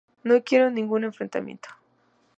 No quiero ningún enfrentamiento.